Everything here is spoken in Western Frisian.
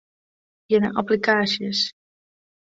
Gean nei applikaasjes.